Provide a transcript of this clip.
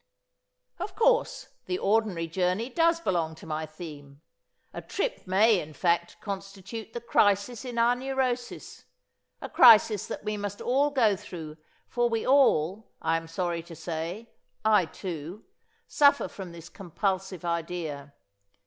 "Of course, the ordinary journey does belong to my theme. A trip may, in fact, constitute the crisis in our neurosis. A crisis that we must all go through, for we all I am sorry to say, I too suffer from this compulsive idea.